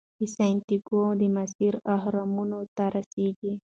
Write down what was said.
سانتیاګو د مصر اهرامونو ته رسیږي.